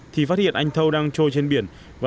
thì phát hiện anh thâu đang trôi trên biển